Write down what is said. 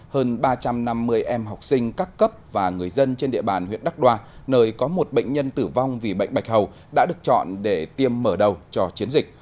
hơn ba trăm năm mươi em học sinh các cấp và người dân trên địa bàn huyện đắk đoa nơi có một bệnh nhân tử vong vì bệnh bạch hầu đã được chọn để tiêm mở đầu cho chiến dịch